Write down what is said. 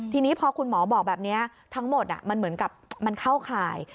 ทีนี้พอคุณหมอบอกแบบนี้ทั้งหมดมันเหมือนกับมันเข้าข่าย